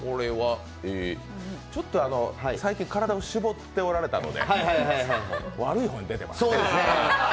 ちょっと最近体を絞っておられたので、悪い方に出られてますね。